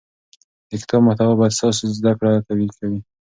د کتاب محتوا باید ستاسو زده کړه قوي کړي.